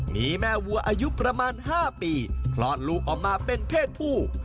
มีแม่วัวอายุประมาณ๕ปีคลอดลูกออกมาเป็นเพศผู้